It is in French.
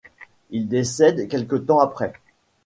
Il décède quelque temps après.